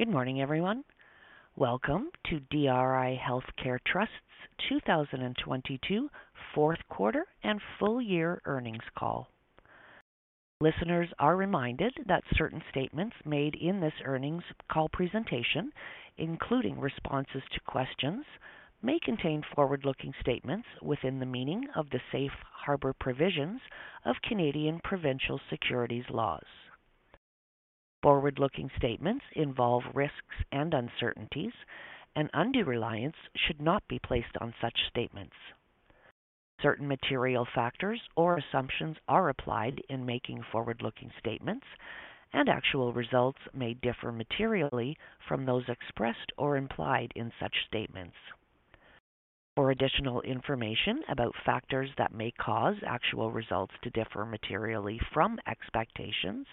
Good morning, everyone. Welcome to DRI Healthcare Trust's 2022 fourth quarter and full year earnings call. Listeners are reminded that certain statements made in this earnings call presentation, including responses to questions, may contain forward-looking statements within the meaning of the safe harbor provisions of Canadian provincial securities laws. Forward-looking statements involve risks and uncertainties. Undue reliance should not be placed on such statements. Certain material factors or assumptions are applied in making forward-looking statements. Actual results may differ materially from those expressed or implied in such statements. For additional information about factors that may cause actual results to differ materially from expectations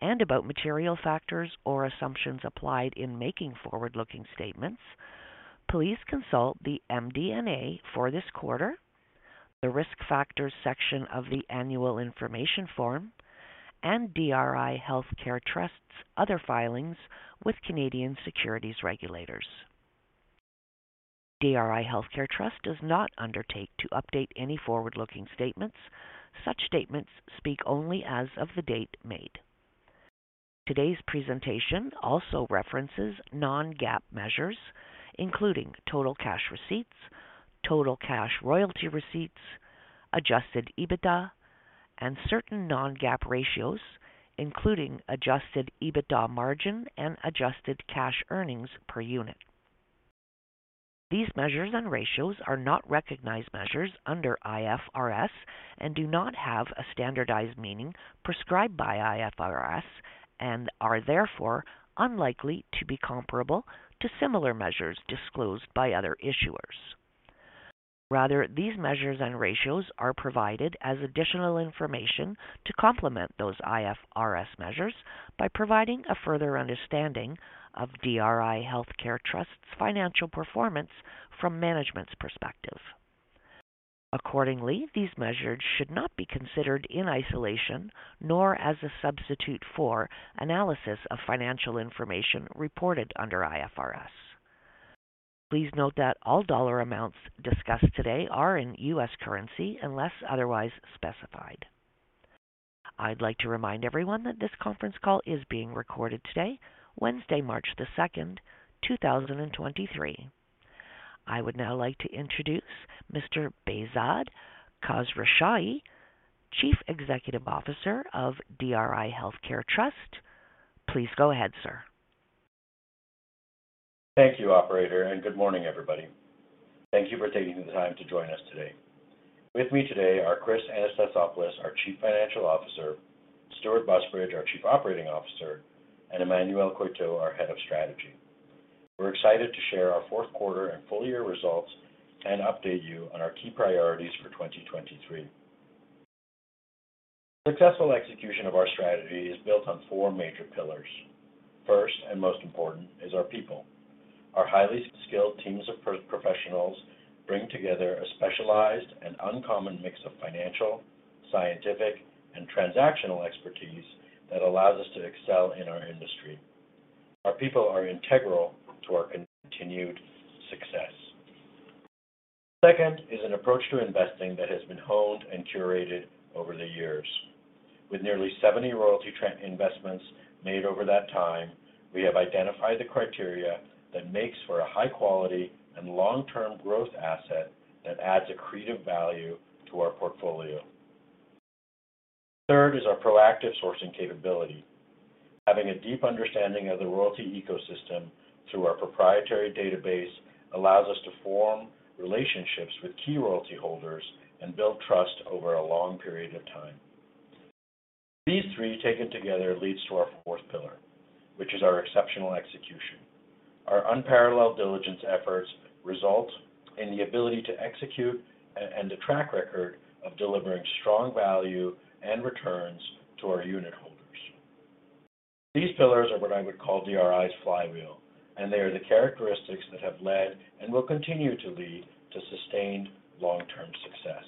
and about material factors or assumptions applied in making forward-looking statements, please consult the MD&A for this quarter, the Risk Factors section of the annual information form, and DRI Healthcare Trust's other filings with Canadian securities regulators. DRI Healthcare Trust does not undertake to update any forward-looking statements. Such statements speak only as of the date made. Today's presentation also references non-GAAP measures, including total cash receipts, total cash royalty receipts, adjusted EBITDA and certain non-GAAP ratios, including adjusted EBITDA margin and adjusted cash earnings per unit. These measures and ratios are not recognized measures under IFRS and do not have a standardized meaning prescribed by IFRS and are therefore unlikely to be comparable to similar measures disclosed by other issuers. Rather, these measures and ratios are provided as additional information to complement those IFRS measures by providing a further understanding of DRI Healthcare Trust's financial performance from management's perspective. Accordingly, these measures should not be considered in isolation, nor as a substitute for analysis of financial information reported under IFRS. Please note that all dollar amounts discussed today are in U.S. currency unless otherwise specified. I'd like to remind everyone that this conference call is being recorded today, Wednesday, March the second, two thousand and twenty-three. I would now like to introduce Mr. Behzad Khosrowshahi, Chief Executive Officer of DRI Healthcare Trust. Please go ahead, sir. Thank you, Operator, and good morning, everybody. Thank you for taking the time to join us today. With me today are Chris Anastasopoulos, our Chief Financial Officer, Stewart Busbridge, our Chief Operating Officer, and Emmanuel Coeytaux, our Head of Strategy. We're excited to share our fourth quarter and full year results and update you on our key priorities for 2023. Successful execution of our strategy is built on four major pillars. First, and most important is our people. Our highly skilled teams of pro-professionals bring together a specialized and uncommon mix of financial, scientific, and transactional expertise that allows us to excel in our industry. Our people are integral to our continued success. Second is an approach to investing that has been honed and curated over the years. With nearly 70 royalty trend investments made over that time, we have identified the criteria that makes for a high-quality and long-term growth asset that adds accretive value to our portfolio. Third is our proactive sourcing capability. Having a deep understanding of the royalty ecosystem through our proprietary database allows us to form relationships with key royalty holders and build trust over a long period of time. These three taken together leads to our fourth pillar, which is our exceptional execution. Our unparalleled diligence efforts result in the ability to execute and a track record of delivering strong value and returns to our unitholders. These pillars are what I would call DRI's flywheel, and they are the characteristics that have led and will continue to lead to sustained long-term success.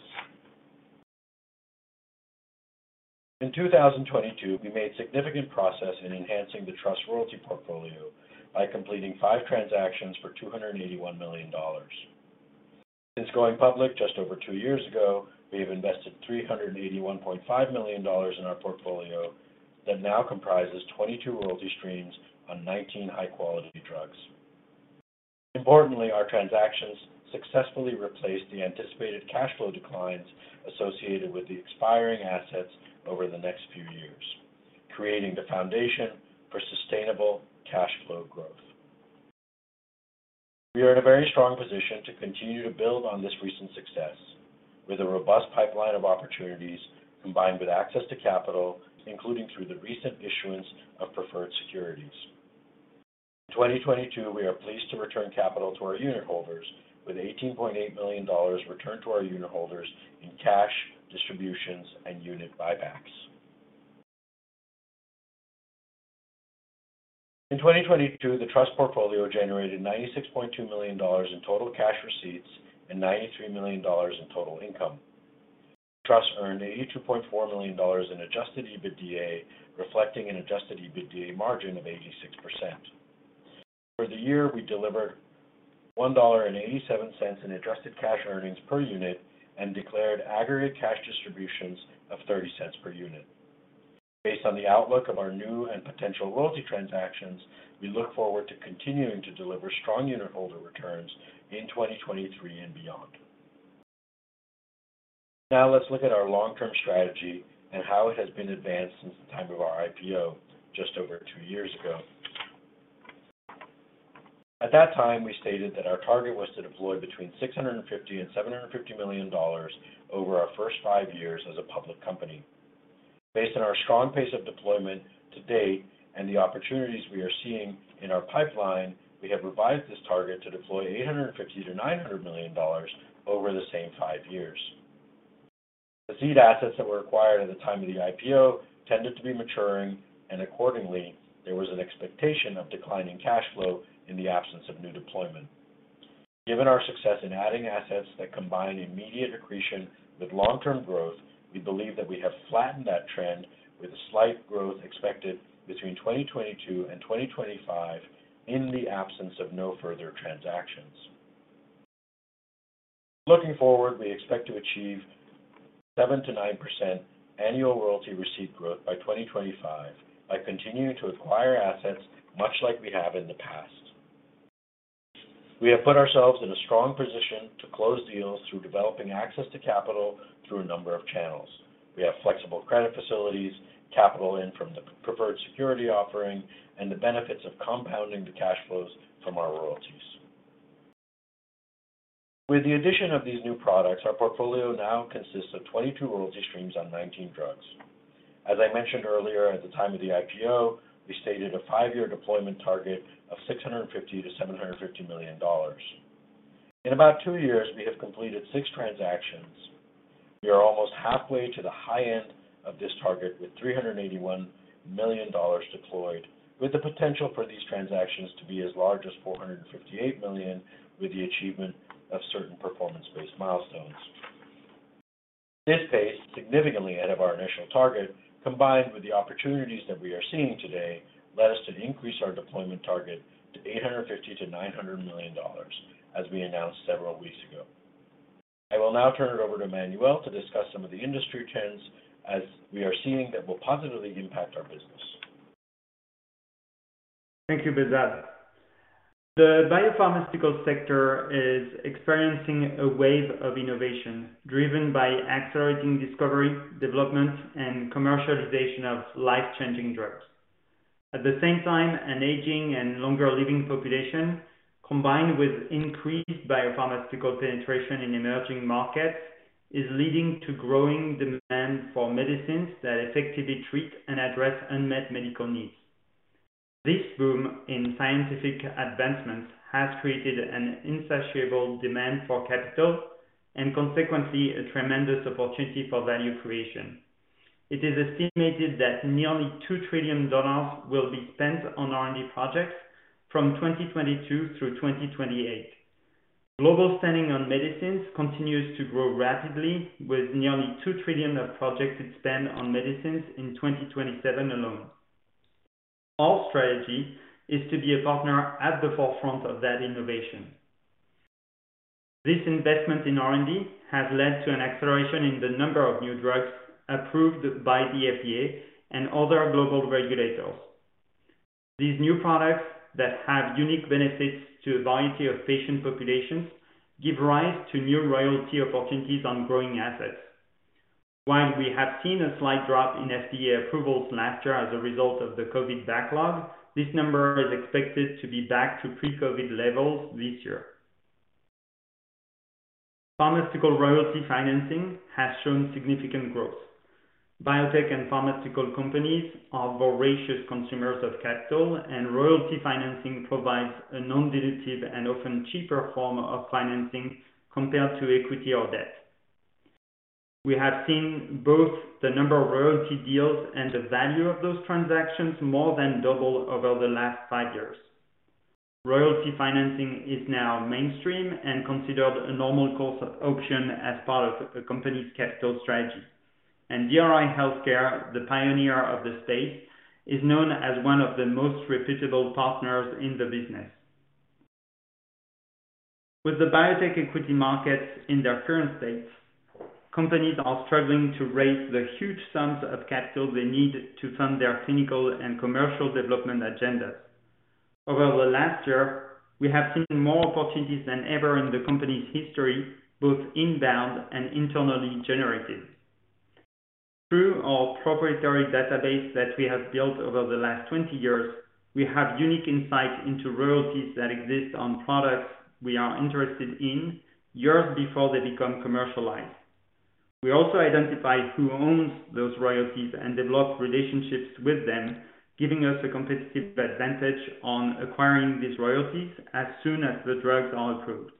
In 2022, we made significant progress in enhancing the Trust royalty portfolio by completing five transactions for $281 million. Since going public just over two years ago, we have invested $381.5 million in our portfolio that now comprises 22 royalty streams on 19 high quality drugs. Importantly, our transactions successfully replaced the anticipated cash flow declines associated with the expiring assets over the next few years, creating the foundation for sustainable cash flow growth. We are in a very strong position to continue to build on this recent success with a robust pipeline of opportunities combined with access to capital, including through the recent issuance of preferred securities. In 2022, we are pleased to return capital to our unitholders with $18.8 million returned to our unitholders in cash distributions and unit buybacks. In 2022, the Trust portfolio generated $96.2 million in Total Cash Receipts and $93 million in total income. DRI Healthcare Trust earned $82.4 million in adjusted EBITDA, reflecting an adjusted EBITDA margin of 86%. For the year, we delivered $1.87 in adjusted cash earnings per unit and declared aggregate cash distributions of $0.30 per unit. Based on the outlook of our new and potential royalty transactions, we look forward to continuing to deliver strong unitholder returns in 2023 and beyond. Let's look at our long-term strategy and how it has been advanced since the time of our IPO just over two years ago. At that time, we stated that our target was to deploy between $650 million and $750 million over our first five years as a public company. Based on our strong pace of deployment to date and the opportunities we are seeing in our pipeline, we have revised this target to deploy $850 million-$900 million over the same 5 years. The seed assets that were acquired at the time of the IPO tended to be maturing, and accordingly, there was an expectation of declining cash flow in the absence of new deployment. Given our success in adding assets that combine immediate accretion with long-term growth, we believe that we have flattened that trend with a slight growth expected between 2022 and 2025 in the absence of no further transactions. Looking forward, we expect to achieve 7%-9% annual royalty receipt growth by 2025 by continuing to acquire assets much like we have in the past. We have put ourselves in a strong position to close deals through developing access to capital through a number of channels. We have flexible credit facilities, capital in from the preferred security offering, and the benefits of compounding the cash flows from our royalties. With the addition of these new products, our portfolio now consists of 22 royalty streams on 19 drugs. As I mentioned earlier, at the time of the IPO, we stated a 5-year deployment target of $650 million-$750 million. In about two years, we have completed 6 transactions. We are almost halfway to the high end of this target, with $381 million deployed, with the potential for these transactions to be as large as $458 million with the achievement of certain performance-based milestones. This pace, significantly ahead of our initial target, combined with the opportunities that we are seeing today, led us to increase our deployment target to $850 million-$900 million as we announced several weeks ago. I will now turn it over to Emmanuel to discuss some of the industry trends as we are seeing that will positively impact our business. Thank you, Behzad. The biopharmaceutical sector is experiencing a wave of innovation driven by accelerating discovery, development, and commercialization of life-changing drugs. At the same time, an aging and longer living population, combined with increased biopharmaceutical penetration in emerging markets, is leading to growing demand for medicines that effectively treat and address unmet medical needs. This boom in scientific advancements has created an insatiable demand for capital and consequently a tremendous opportunity for value creation. It is estimated that nearly $2 trillion will be spent on R&D projects from 2022 through 2028. Global spending on medicines continues to grow rapidly, with nearly $2 trillion of projects to spend on medicines in 2027 alone. Our strategy is to be a partner at the forefront of that innovation. This investment in R&D has led to an acceleration in the number of new drugs approved by the FDA and other global regulators. These new products that have unique benefits to a variety of patient populations give rise to new royalty opportunities on growing assets. While we have seen a slight drop in FDA approvals last year as a result of the COVID backlog, this number is expected to be back to pre-COVID levels this year. Pharmaceutical royalty financing has shown significant growth. Biotech and pharmaceutical companies are voracious consumers of capital, and royalty financing provides a non-dilutive and often cheaper form of financing compared to equity or debt. We have seen both the number of royalty deals and the value of those transactions more than double over the last five years. Royalty financing is now mainstream and considered a normal course of option as part of a company's capital strategy. DRI Healthcare, the pioneer of the space, is known as one of the most reputable partners in the business. With the biotech equity markets in their current states, companies are struggling to raise the huge sums of capital they need to fund their clinical and commercial development agendas. Over the last year, we have seen more opportunities than ever in the company's history, both inbound and internally generated. Through our proprietary database that we have built over the last 20 years, we have unique insight into royalties that exist on products we are interested in years before they become commercialized. We also identify who owns those royalties and develop relationships with them, giving us a competitive advantage on acquiring these royalties as soon as the drugs are approved.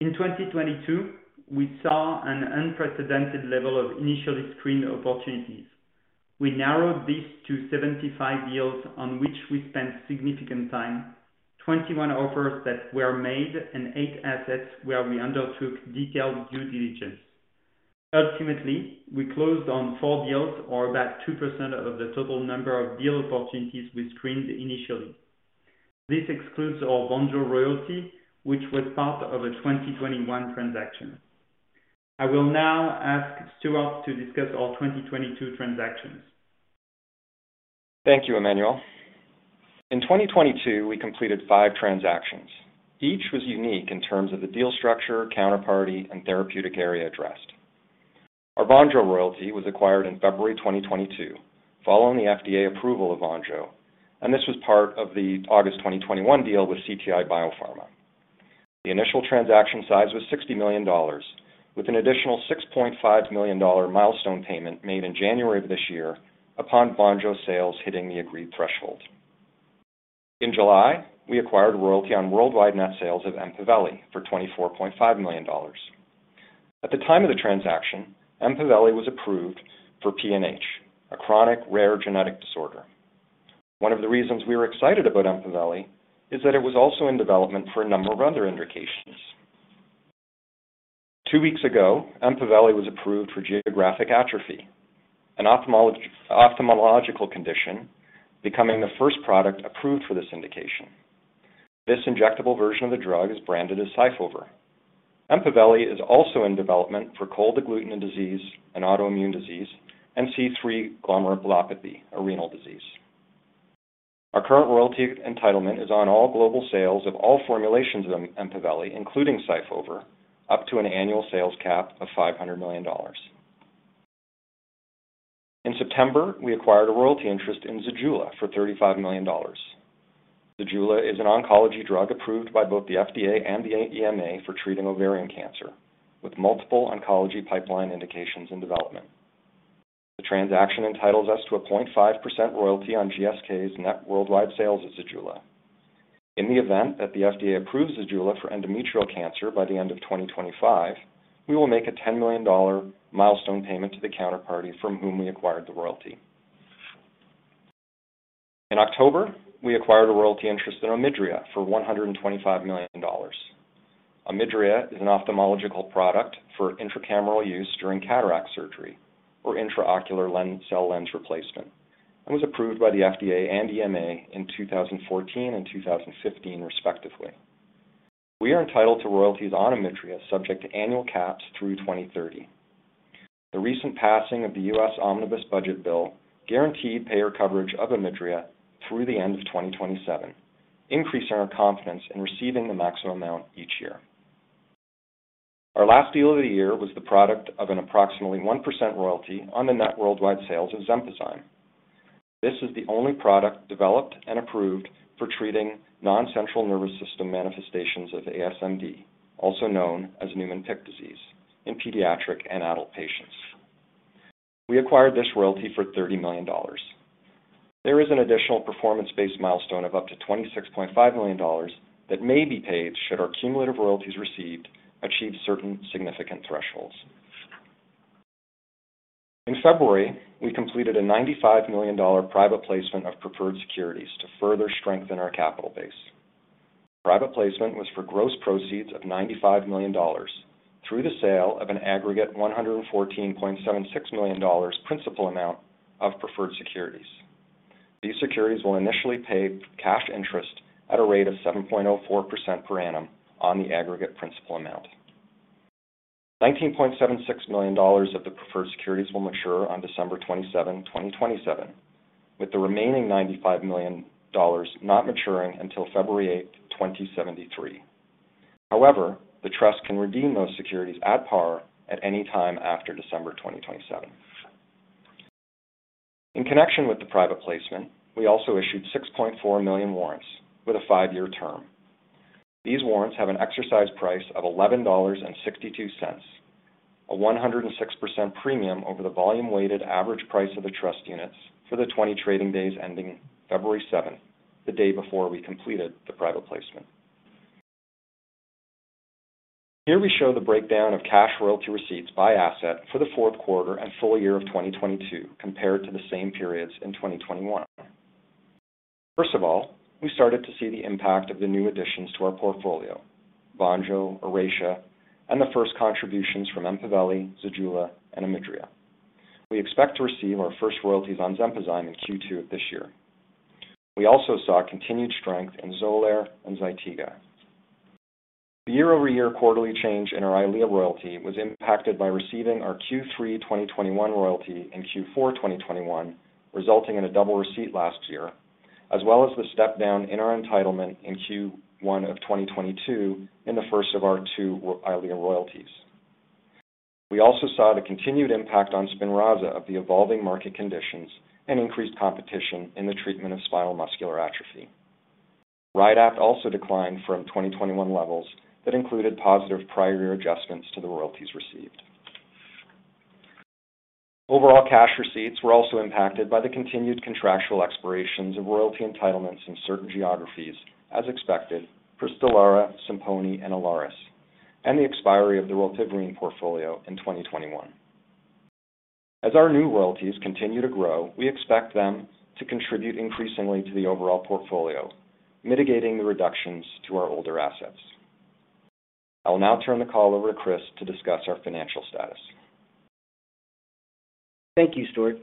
In 2022, we saw an unprecedented level of initially screened opportunities. We narrowed this to 75 deals on which we spent significant time, 21 offers that were made, and 8 assets where we undertook detailed due diligence. Ultimately, we closed on four deals, or about 2% of the total number of deal opportunities we screened initially. This excludes our VONJO royalty, which was part of a 2021 transaction. I will now ask Stewart to discuss our 2022 transactions. Thank you, Emmanuel. In 2022, we completed five transactions. Each was unique in terms of the deal structure, counterparty, and therapeutic area addressed. Our VONJO royalty was acquired in February 2022 following the FDA approval of VONJO, and this was part of the August 2021 deal with CTI BioPharma. The initial transaction size was $60 million, with an additional $6.5 million milestone payment made in January of this year upon VONJO sales hitting the agreed threshold. In July, we acquired royalty on worldwide net sales of Empaveli for $24.5 million. At the time of the transaction, Empaveli was approved for PNH, a chronic rare genetic disorder. One of the reasons we were excited about Empaveli is that it was also in development for a number of other indications. Two weeks ago, Empaveli was approved for geographic atrophy, an ophthalmological condition becoming the first product approved for this indication. This injectable version of the drug is branded as SYFOVRE. Empaveli is also in development for cold agglutinin disease and autoimmune disease, and C3 glomerulopathy, a renal disease. Our current royalty entitlement is on all global sales of all formulations of Empaveli, including SYFOVRE, up to an annual sales cap of $500 million. In September, we acquired a royalty interest in ZEJULA for $35 million. ZEJULA is an oncology drug approved by both the FDA and the EMA for treating ovarian cancer, with multiple oncology pipeline indications in development. The transaction entitles us to a 0.5% royalty on GSK's net worldwide sales of ZEJULA. In the event that the FDA approves ZEJULA for endometrial cancer by the end of 2025, we will make a $10 million milestone payment to the counterparty from whom we acquired the royalty. In October, we acquired a royalty interest in OMIDRIA for $125 million. OMIDRIA is an ophthalmological product for intracameral use during cataract surgery or intraocular lens replacement, and was approved by the FDA and EMA in 2014 and 2015 respectively. We are entitled to royalties on OMIDRIA subject to annual caps through 2030. The recent passing of the U.S. Omnibus Budget Bill guaranteed payer coverage of OMIDRIA through the end of 2027, increasing our confidence in receiving the maximum amount each year. Our last deal of the year was the product of an approximately 1% royalty on the net worldwide sales of Xenpozyme. This is the only product developed and approved for treating non-central nervous system manifestations of ASMD, also known as Niemann-Pick disease, in pediatric and adult patients. We acquired this royalty for $30 million. There is an additional performance-based milestone of up to $26.5 million that may be paid should our cumulative royalties received, achieve certain significant thresholds. In February, we completed a $95 million private placement of preferred securities to further strengthen our capital base. The private placement was for gross proceeds of $95 million through the sale of an aggregate $114.76 million principal amount of preferred securities. These securities will initially pay cash interest at a rate of 7.4% per annum on the aggregate principal amount. $19.76 million of the preferred securities will mature on December 27, 2027, with the remaining $95 million not maturing until February 8, 2073. The trust can redeem those securities at par at any time after December 2027. In connection with the private placement, we also issued 6.4 million warrants with a 5-year term. These warrants have an exercise price of $11.62, a 106% premium over the volume weighted average price of the Trust units for the 20 trading days ending February 7, the day before we completed the private placement. Here we show the breakdown of Cash Royalty Receipts by asset for the fourth quarter and full year of 2022 compared to the same periods in 2021. First of all, we started to see the impact of the new additions to our portfolio, VONJO, Oracea, and the first contributions from Empaveli, ZEJULA, and OMIDRIA. We expect to receive our first royalties on Xenpozyme in Q2 of this year. We also saw continued strength in XOLAIR and Zytiga. The year-over-year quarterly change in our EYLEA royalty was impacted by receiving our Q3 2021 royalty in Q4 2021, resulting in a double receipt last year, as well as the step down in our entitlement in Q1 of 2022 in the first of our two R-EYLEA royalties. We also saw the continued impact on SPINRAZA of the evolving market conditions and increased competition in the treatment of spinal muscular atrophy. Rydapt also declined from 2021 levels that included positive prior year adjustments to the royalties received. Overall cash receipts were also impacted by the continued contractual expirations of royalty entitlements in certain geographies as expected for STELARA, SIMPONI, and Ilaris. The expiry of the Rilpivirine portfolio in 2021. As our new royalties continue to grow, we expect them to contribute increasingly to the overall portfolio, mitigating the reductions to our older assets. I will now turn the call over to Chris to discuss our financial status. Thank you, Stuart.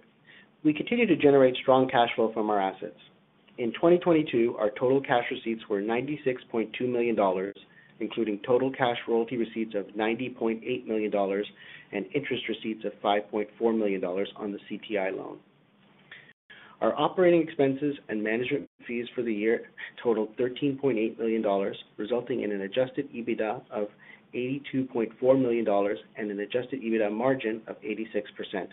We continue to generate strong cash flow from our assets. In 2022, our total cash receipts were $96.2 million, including total cash royalty receipts of $90.8 million and interest receipts of $5.4 million on the CTI loan. Our operating expenses and management fees for the year totaled $13.8 million, resulting in an adjusted EBITDA of $82.4 million and an adjusted EBITDA margin of 86%.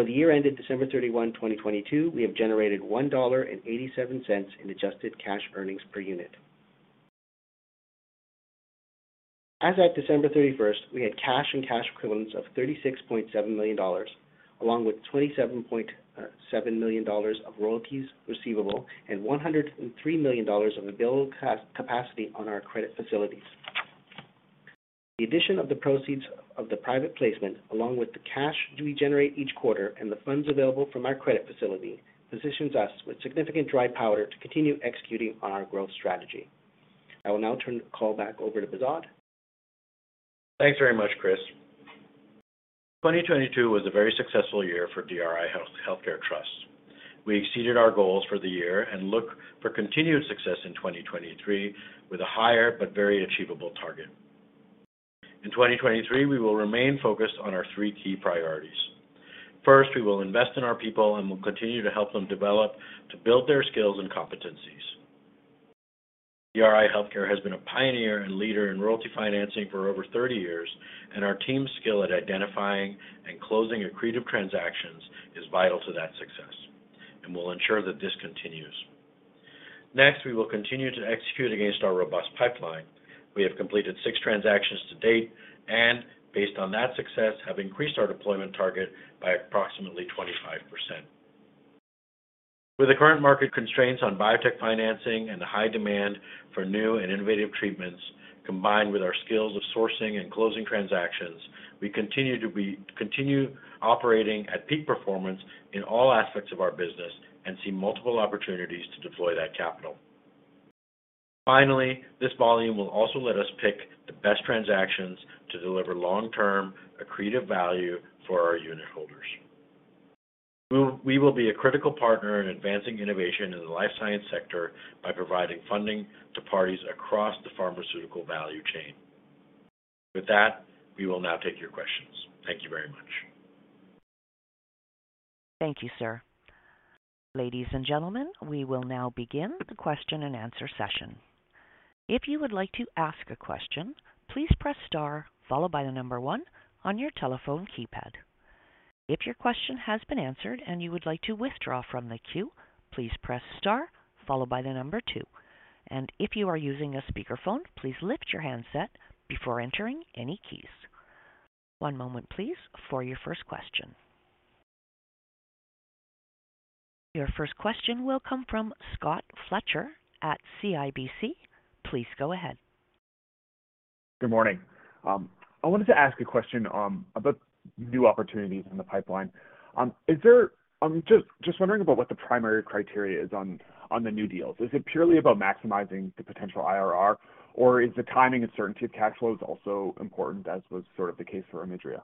For the year ended December 31, 2022, we have generated $1.87 in adjusted cash earnings per unit. As at December 31, we had cash and cash equivalents of $36.7 million, along with $27.7 million of royalties receivable and $103 million of available capacity on our credit facilities. The addition of the proceeds of the private placement, along with the cash we generate each quarter and the funds available from our credit facility, positions us with significant dry powder to continue executing on our growth strategy. I will now turn the call back over to Behzad. Thanks very much, Chris. 2022 was a very successful year for DRI Healthcare Trust. We exceeded our goals for the year and look for continued success in 2023 with a higher but very achievable target. In 2023, we will remain focused on our three key priorities. First, we will invest in our people and will continue to help them develop to build their skills and competencies. DRI Healthcare has been a pioneer and leader in royalty financing for over 30 years, and our team's skill at identifying and closing accretive transactions is vital to that success and will ensure that this continues. Next, we will continue to execute against our robust pipeline. We have completed 6 transactions to date and based on that success, have increased our deployment target by approximately 25%. With the current market constraints on biotech financing and the high demand for new and innovative treatments, combined with our skills of sourcing and closing transactions, we continue operating at peak performance in all aspects of our business and see multiple opportunities to deploy that capital. Finally, this volume will also let us pick the best transactions to deliver long-term accretive value for our unitholders. We will be a critical partner in advancing innovation in the life science sector by providing funding to parties across the pharmaceutical value chain. With that, we will now take your questions. Thank you very much. Thank you, sir. Ladies and gentlemen, we will now begin the question-and-answer session. If you would like to ask a question, please press star followed by the number one on your telephone keypad. If your question has been answered and you would like to withdraw from the queue, please press star followed by the number two. If you are using a speakerphone, please lift your handset before entering any keys. One moment please for your first question. Your first question will come from Scott Fletcher at CIBC. Please go ahead. Good morning. I wanted to ask a question about new opportunities in the pipeline. I'm just wondering about what the primary criteria is on the new deals. Is it purely about maximizing the potential IRR, or is the timing and certainty of cash flows also important as was sort of the case for OMIDRIA?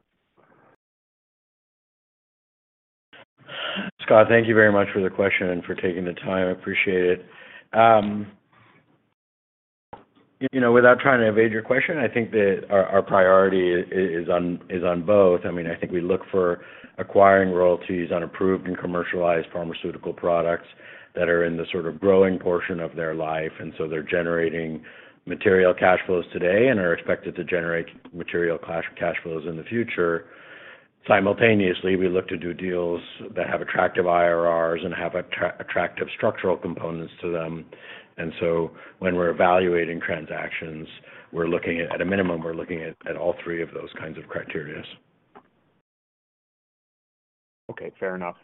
Scott, thank you very much for the question and for taking the time. I appreciate it. You know, without trying to evade your question, I think that our priority is on both. I mean, I think we look for acquiring royalties on approved and commercialized pharmaceutical products that are in the sort of growing portion of their life, and so they're generating material cash flows today and are expected to generate material cash flows in the future. Simultaneously, we look to do deals that have attractive IRRs and have attractive structural components to them. When we're evaluating transactions, we're looking at a minimum, we're looking at all three of those kinds of criteria. Okay, fair enough.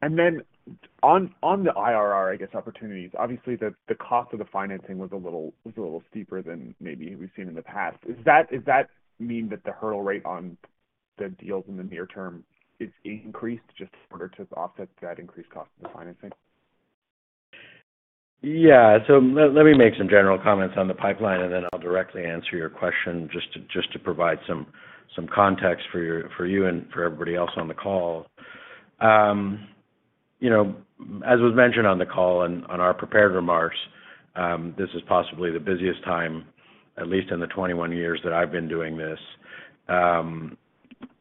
Then on the IRR, I guess, opportunities, obviously the cost of the financing was a little steeper than maybe we've seen in the past. Is that, does that mean that the hurdle rate on the deals in the near term is increased just in order to offset that increased cost of the financing? Yeah. Let me make some general comments on the pipeline, then I'll directly answer your question just to provide some context for you and for everybody else on the call. You know, as was mentioned on the call and on our prepared remarks, this is possibly the busiest time, at least in the 21 years that I've been doing this.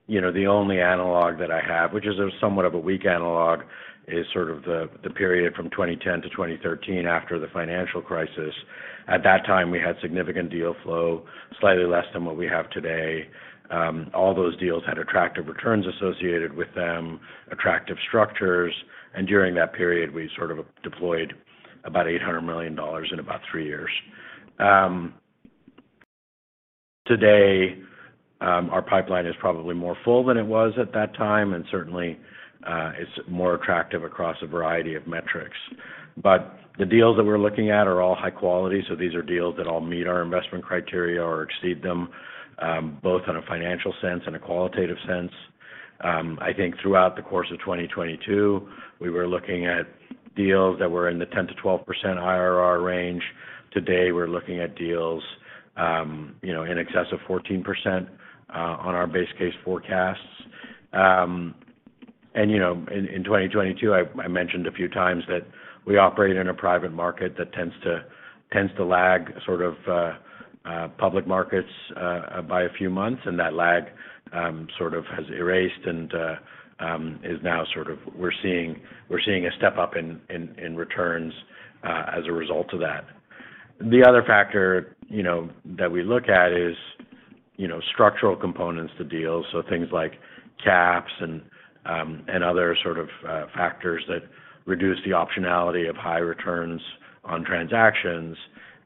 You know, the only analog that I have, which is a somewhat of a weak analog, is sort of the period from 2010 to 2013 after the financial crisis. At that time, we had significant deal flow, slightly less than what we have today. All those deals had attractive returns associated with them, attractive structures, during that period, we sort of deployed about $800 million in about three years. Today, our pipeline is probably more full than it was at that time, and certainly, it's more attractive across a variety of metrics. The deals that we're looking at are all high quality, so these are deals that all meet our investment criteria or exceed them, both on a financial sense and a qualitative sense. I think throughout the course of 2022, we were looking at deals that were in the 10%-12% IRR range. Today, we're looking at deals, you know, in excess of 14%, on our base case forecasts. You know, in 2022, I mentioned a few times that we operate in a private market that tends to lag sort of public markets by a few months, and that lag sort of has erased and is now sort of we're seeing a step-up in returns as a result of that. The other factor, you know, that we look at is, you know, structural components to deals. Things like caps and other sort of factors that reduce the optionality of high returns on transactions.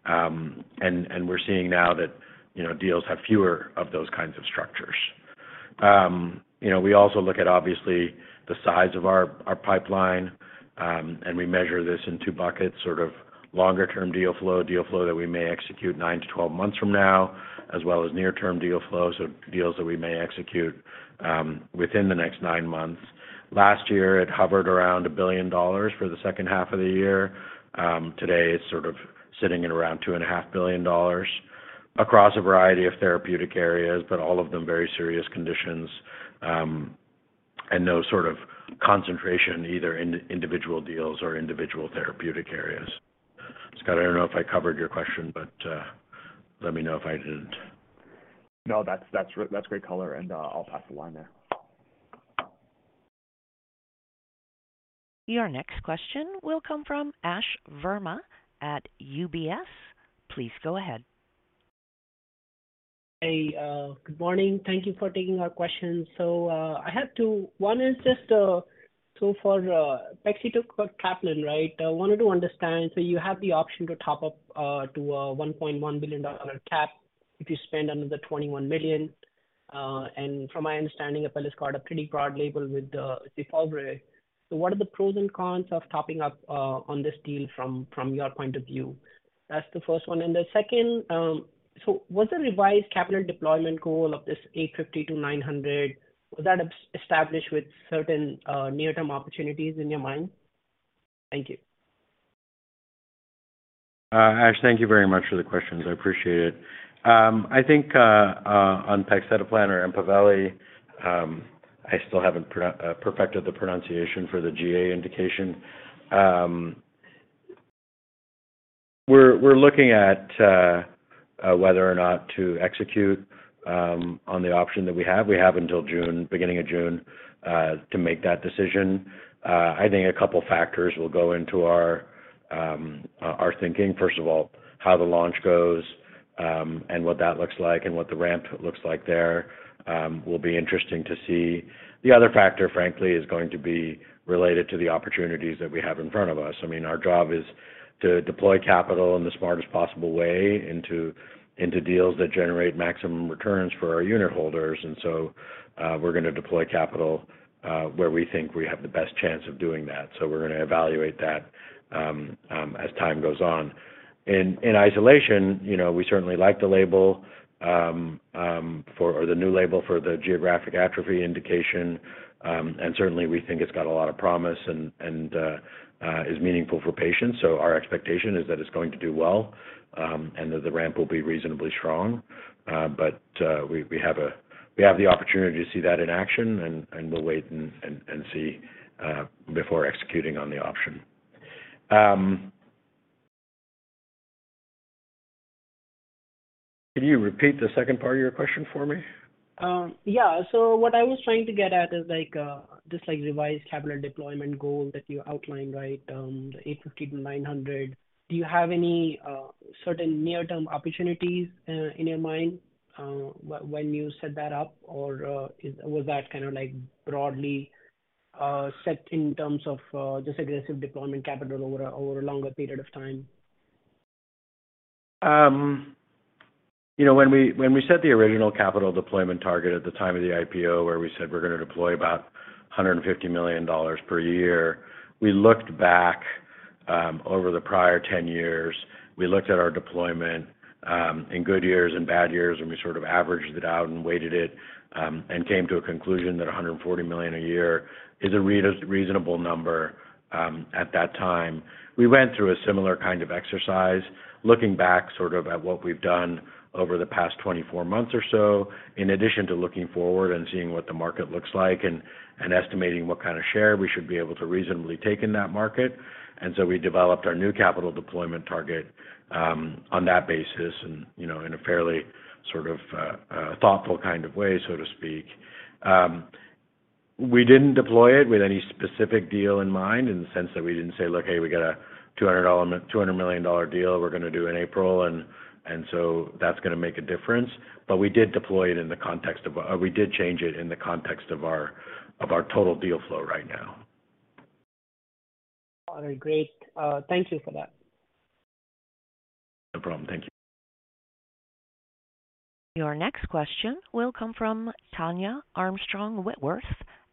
We're seeing now that, you know, deals have fewer of those kinds of structures. You know, we also look at, obviously, the size of our pipeline. We measure this in two buckets, sort of longer-term deal flow, deal flow that we may execute 9 to 12 months from now, as well as near-term deal flow, so deals that we may execute within the next 9 months. Last year, it hovered around $1 billion for the second half of the year. Today it's sort of sitting at around $2.5 billion across a variety of therapeutic areas, but all of them very serious conditions. No sort of concentration either in individual deals or individual therapeutic areas. Scott, I don't know if I covered your question, but let me know if I didn't. No, that's great color, and I'll pass the line there. Your next question will come from Ashwani Verma at UBS. Please go ahead. Hey, good morning. Thank you for taking our questions. I have two. One is just, so for pegcetacoplan, right? I wanted to understand, so you have the option to top up, to a $1.1 billion cap if you spend under the $21 million. From my understanding, Ash, thank you very much for the questions. I appreciate it. I think on pegcetacoplan or Empaveli, I still haven't perfected the pronunciation for the GA indication. We're looking at whether or not to execute on the option that we have. We have until June, beginning of June, to make that decision. I think a couple factors will go into our thinking. First of all, how the launch goes, and what that looks like and what the ramp looks like there, will be interesting to see. The other factor, frankly, is going to be related to the opportunities that we have in front of us. I mean, our job is to deploy capital in the smartest possible way into deals that generate maximum returns for our unitholders. We're gonna deploy capital where we think we have the best chance of doing that. We're gonna evaluate that as time goes on. In isolation, you know, we certainly like the label for the new label for the geographic atrophy indication. Certainly, we think it's got a lot of promise and is meaningful for patients. Our expectation is that it's going to do well and that the ramp will be reasonably strong. We have the opportunity to see that in action and we'll wait and see before executing on the option. Can you repeat the second part of your question for me? Yeah. What I was trying to get at is like, just like revised capital deployment goal that you outlined, right? The $850-$900. Do you have any certain near-term opportunities when you set that up? Or was that kind of like broadly set in terms of just aggressive deployment capital over a longer period of time? You know, when we set the original capital deployment target at the time of the IPO, where we said we're gonna deploy about $150 million per year, we looked back over the prior 10 years. We looked at our deployment in good years and bad years, and we sort of averaged it out and weighted it and came to a conclusion that $140 million a year is a reasonable number at that time. We went through a similar kind of exercise, looking back sort of at what we've done over the past 24 months or so, in addition to looking forward and seeing what the market looks like and estimating what kind of share we should be able to reasonably take in that market. We developed our new capital deployment target, on that basis and, you know, in a fairly sort of, thoughtful kind of way, so to speak. We didn't deploy it with any specific deal in mind in the sense that we didn't say, "Look, hey, we got a $200 million deal we're gonna do in April, and so that's gonna make a difference." We did deploy it in the context of... we did change it in the context of our, of our total deal flow right now. All right, great. Thank you for that. No problem. Thank you. Your next question will come from Tania Armstrong-Whitworth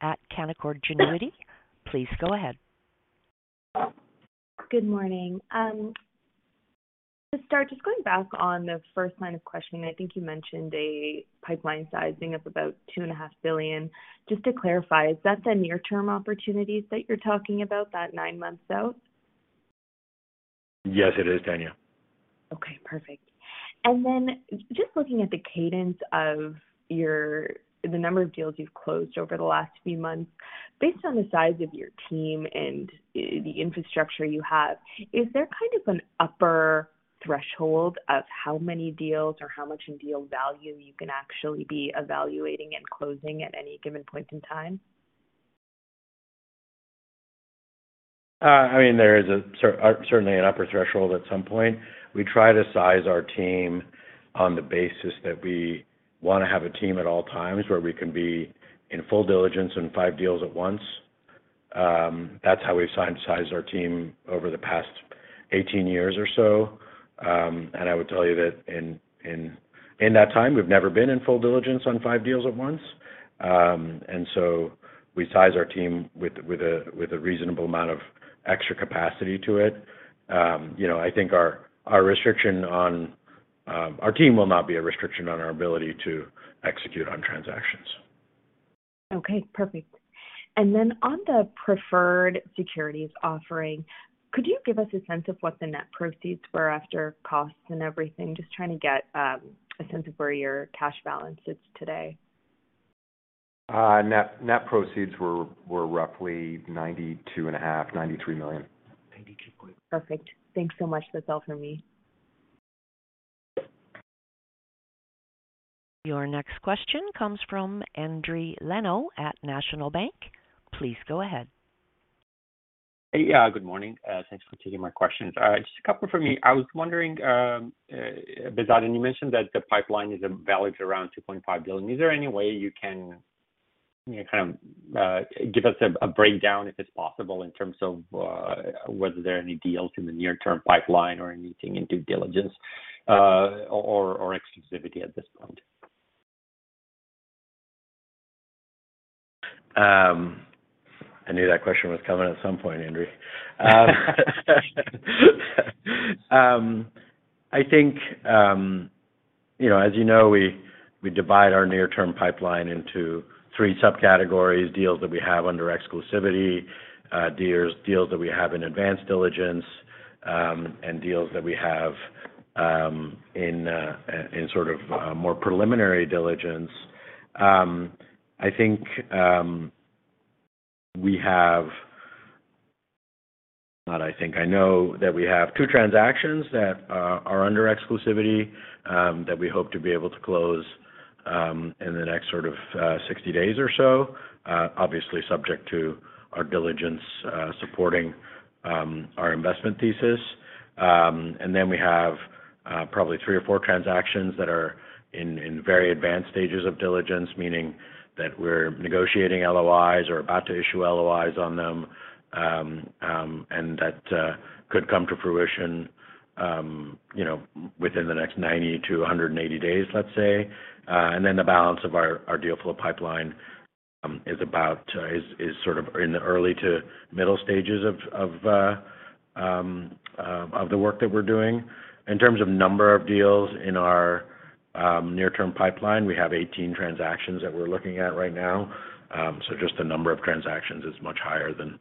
at Canaccord Genuity. Please go ahead. Good morning. To start, just going back on the first line of questioning, I think you mentioned a pipeline sizing of about two and a half billion dollars. Just to clarify, is that the near term opportunities that you're talking about that nine months out? Yes, it is, Tania. Okay, perfect. Then just looking at the cadence of the number of deals you've closed over the last few months. Based on the size of your team and the infrastructure you have, is there kind of an upper threshold of how many deals or how much in deal value you can actually be evaluating and closing at any given point in time? I mean, there is certainly an upper threshold at some point. We try to size our team on the basis that we want to have a team at all times where we can be in full diligence on 5 deals at once. That's how we've sized our team over the past 18 years or so. I would tell you that in that time, we've never been in full diligence on 5 deals at once. We size our team with a reasonable amount of extra capacity to it. You know, I think our restriction on our team will not be a restriction on our ability to execute on transactions. Okay, perfect. Then on the preferred securities offering, could you give us a sense of what the net proceeds were after costs and everything? Just trying to get a sense of where your cash balance sits today. Net proceeds were roughly $92.5 million, $93 million. Perfect. Thanks so much. That's all for me. Your next question comes from Endri Leno at National Bank. Please go ahead. Hey. Good morning. Thanks for taking my questions. Just a couple from me. I was wondering, Behzad, and you mentioned that the pipeline is valued around $2.5 billion. Is there any way you can, you know, kind of, give us a breakdown, if it's possible, in terms of, whether there are any deals in the near term pipeline or anything in due diligence, or exclusivity at this point? I knew that question was coming at some point, Endri. I think, you know, as you know, we divide our near-term pipeline into three subcategories deals that we have under exclusivity, deals that we have in advanced diligence, and deals that we have in sort of more preliminary diligence. I know that we have two transactions that are under exclusivity, that we hope to be able to close in the next sort of 60 days or so. Obviously subject to our diligence, supporting our investment thesis. Then we have probably three or four transactions that are in very advanced stages of diligence, meaning that we're negotiating LOIs or about to issue LOIs on them. That could come to fruition, you know, within the next 90-180 days, let's say. Then the balance of our deal flow pipeline is sort of in the early to middle stages of the work that we're doing. In terms of number of deals in our near-term pipeline, we have 18 transactions that we're looking at right now. Just the number of transactions is much higher than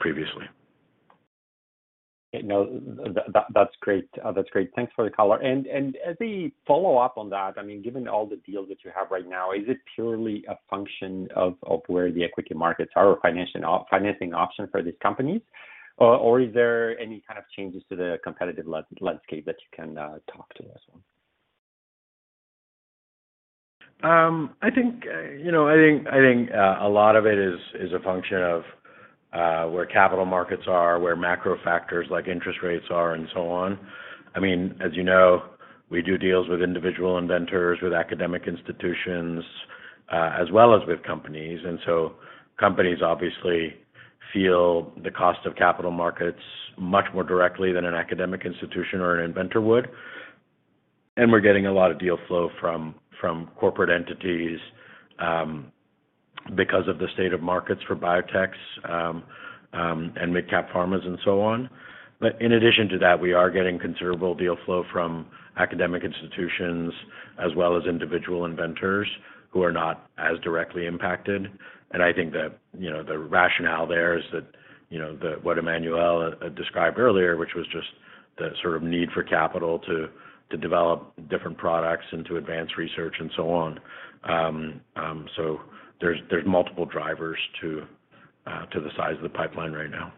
previously. No, that's great. That's great. Thanks for the color. As a follow-up on that, I mean, given all the deals that you have right now, is it purely a function of where the equity markets are or financial financing option for these companies? Is there any kind of changes to the competitive landscape that you can talk to as well? I think, you know, I think a lot of it is a function of where capital markets are, where macro factors like interest rates are, and so on. I mean, as you know, we do deals with individual inventors, with academic institutions, as well as with companies. Companies obviously feel the cost of capital markets much more directly than an academic institution or an inventor would. We're getting a lot of deal flow from corporate entities because of the state of markets for biotechs and mid-cap pharmas and so on. In addition to that, we are getting considerable deal flow from academic institutions as well as individual inventors who are not as directly impacted. I think that, you know, the rationale there is that, you know, what Emmanuel described earlier, which was just the sort of need for capital to develop different products and to advance research and so on. There's multiple drivers to the size of the pipeline right now.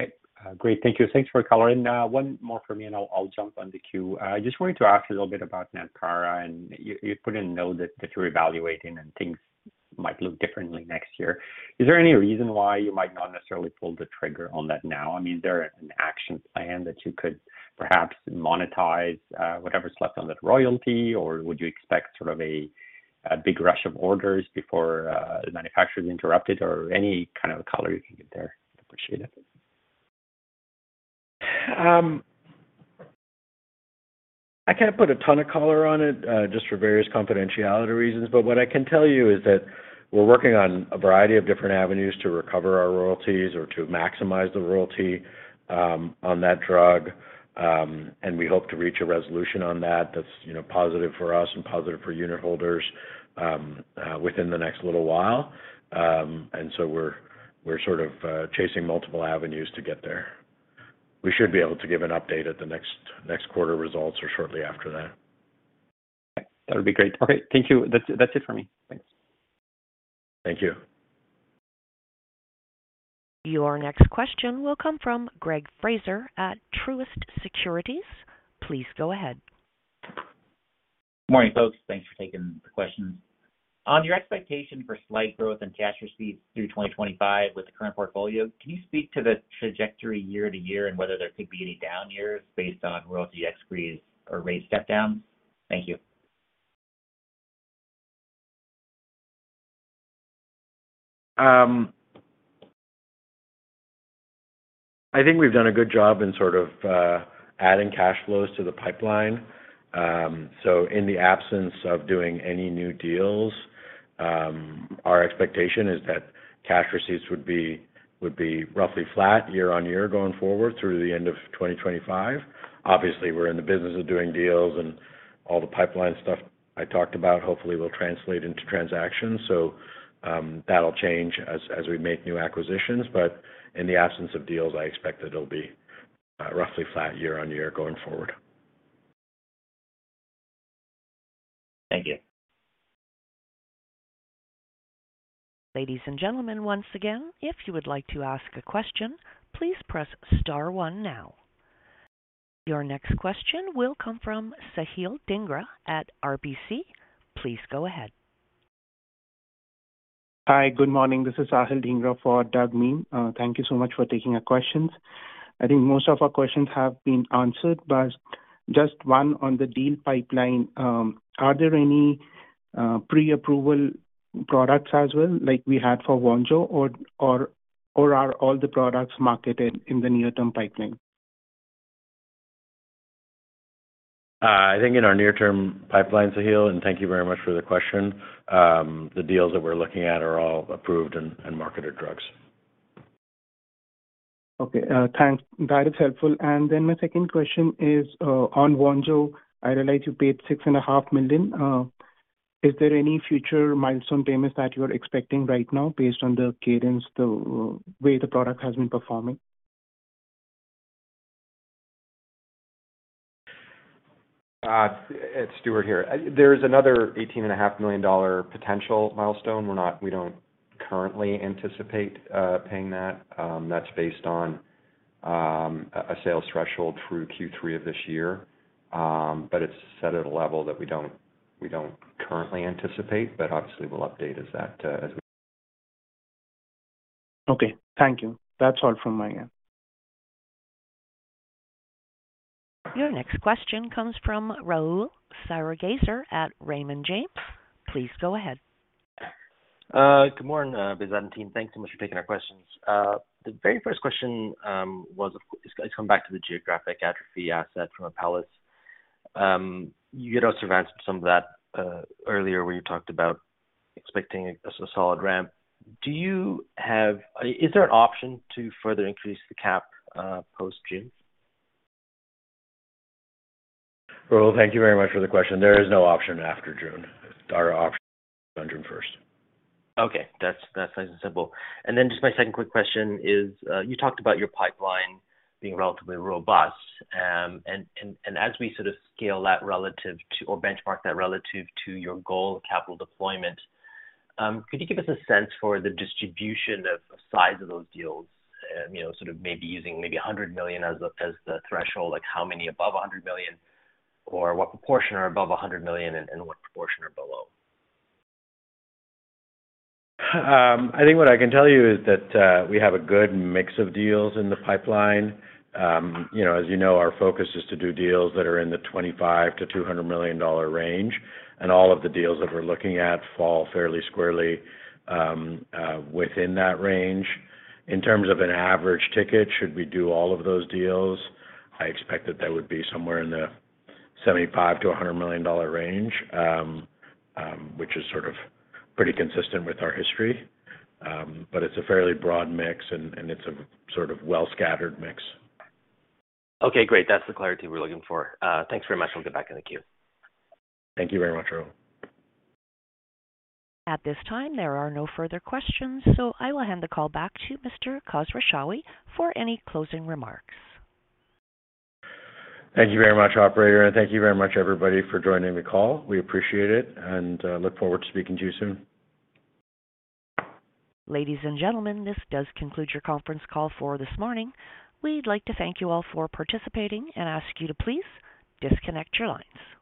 Okay. Great. Thank you. Thanks for coloring. One more from me, and I'll jump on the queue. Just wanted to ask a little bit about Natpar, and you put a note that you're evaluating and things might look differently next year. Is there any reason why you might not necessarily pull the trigger on that now? I mean, is there an action plan that you could perhaps monetize, whatever's left on that royalty? Or would you expect sort of a A big rush of orders before the manufacturer is interrupted or any kind of color you can get there. Appreciate it. I can't put a ton of color on it, just for various confidentiality reasons. What I can tell you is that we're working on a variety of different avenues to recover our royalties or to maximize the royalty, on that drug. We hope to reach a resolution on that's, you know, positive for us and positive for unitholders, within the next little while. We're, we're sort of, chasing multiple avenues to get there. We should be able to give an update at the next quarter results or shortly after that. That'll be great. Okay, thank you. That's it for me. Thanks. Thank you. Your next question will come from Greg Fraser at Truist Securities. Please go ahead. Morning, folks. Thanks for taking the questions. On your expectation for slight growth in cash receipts through 2025 with the current portfolio, can you speak to the trajectory year to year and whether there could be any down years based on royalty expiries or rate step downs? Thank you. I think we've done a good job in sort of adding cash flows to the pipeline. In the absence of doing any new deals, our expectation is that cash receipts would be roughly flat year-on-year going forward through the end of 2025. Obviously, we're in the business of doing deals and all the pipeline stuff I talked about hopefully will translate into transactions. That'll change as we make new acquisitions. But in the absence of deals, I expect that it'll be roughly flat year-on-year going forward. Thank you. Ladies and gentlemen, once again, if you would like to ask a question, please press star one now. Your next question will come from Sahil Dhingra at RBC. Please go ahead. Hi, good morning. This is Sahil Dhingra for Doug Miehm. Thank you so much for taking our questions. I think most of our questions have been answered, but just one on the deal pipeline. Are there any pre-approval products as well, like we had for VONJO or are all the products marketed in the near-term pipeline? I think in our near-term pipeline, Sahil, and thank you very much for the question. The deals that we're looking at are all approved and marketed drugs. Okay. thanks. That is helpful. My second question is, on Vonjo. I realize you paid $6.5 million. Is there any future milestone payments that you are expecting right now based on the cadence, the way the product has been performing? It's Stewart here. There is another eighteen and a half million dollar potential milestone. We don't currently anticipate paying that. That's based on a sales threshold through Q3 of this year. It's set at a level that we don't currently anticipate, but obviously we'll update as that as we. Okay. Thank you. That's all from my end. Your next question comes from Rahul Sarugaser at Raymond James. Please go ahead. Good morning, DRI team. Thanks so much for taking our questions. The very first question, is going to come back to the geographic atrophy asset from Apellis. You gave us some answer some of that, earlier when you talked about expecting a solid ramp. Is there an option to further increase the cap, post-June? Rahul, thank you very much for the question. There is no option after June. Our option is June first. Okay. That's nice and simple. Just my second quick question is, you talked about your pipeline being relatively robust. As we sort of scale that relative to or benchmark that relative to your goal of capital deployment, could you give us a sense for the distribution of size of those deals? You know, sort of maybe using maybe $100 million as the threshold, like how many above $100 million or what proportion are above $100 million and what proportion are below? I think what I can tell you is that we have a good mix of deals in the pipeline. You know, as you know, our focus is to do deals that are in the $25 million-$200 million range. All of the deals that we're looking at fall fairly squarely within that range. In terms of an average ticket, should we do all of those deals, I expect that that would be somewhere in the $75 million-$100 million range, which is sort of pretty consistent with our history. It's a fairly broad mix and it's a sort of well-scattered mix. Okay, great. That's the clarity we're looking for. Thanks very much. We'll get back in the queue. Thank you very much, Rahul. At this time, there are no further questions, so I will hand the call back to Mr. Khosrowshahi for any closing remarks. Thank you very much, operator. Thank you very much, everybody, for joining the call. We appreciate it and look forward to speaking to you soon. Ladies and gentlemen, this does conclude your conference call for this morning. We'd like to thank you all for participating and ask you to please disconnect your lines.